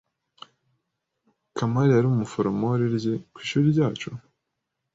Kamali yari umuforomoli ry kw’ishuri ryacu?